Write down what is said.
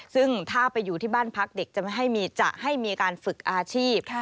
ซึ่งถ้าไปอยู่ที่บ้านพักเด็กจะไม่ให้จะให้มีการฝึกอาชีพ